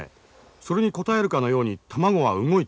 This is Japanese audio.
それに応えるかのように卵は動いた。